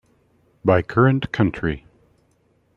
By current country.